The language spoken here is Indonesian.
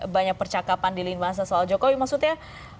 banyak percakapan di lingkungan soal jokowi maksudnya